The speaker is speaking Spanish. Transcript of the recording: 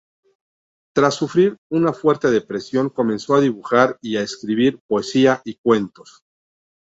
Tras sufrir una fuerte depresión comenzó a dibujar y a escribir poesía y cuentos.